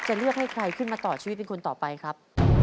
จะเลือกให้ใครขึ้นมาต่อชีวิตเป็นคนต่อไปครับ